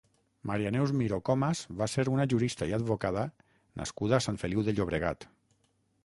Maria Neus Miró Comas va ser una jurista i advocada nascuda a Sant Feliu de Llobregat.